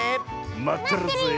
まってるぜえ。